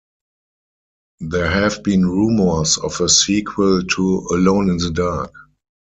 There have been rumors of a sequel to "Alone in the Dark".